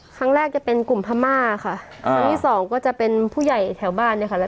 ครั้งแรกจะเป็นกลุ่มพม่าค่ะครั้งที่สองก็จะเป็นผู้ใหญ่แถวบ้านเนี่ยค่ะ